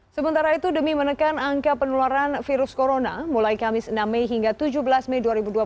sementara itu demi menekan angka penularan virus corona mulai kamis enam mei hingga tujuh belas mei dua ribu dua puluh